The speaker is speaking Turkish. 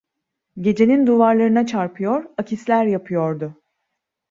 Gecenin duvarlarına çarpıyor, akisler yapıyordu.